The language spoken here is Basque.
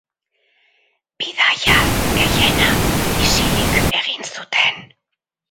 Bidaia gehiena isilik egin zuten.